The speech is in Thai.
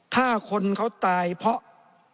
ถ้าคนเขาตายเพราะ